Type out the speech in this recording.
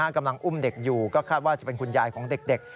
กำลังอุ้มเด็กอยู่ก็คาดว่าจะเป็นคุณยายของเด็ก